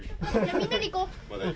みんなで行こう。